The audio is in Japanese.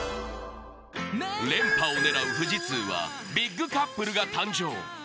連覇を狙う富士通はビッグカップルが誕生。